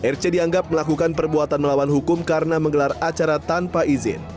rc dianggap melakukan perbuatan melawan hukum karena menggelar acara tanpa izin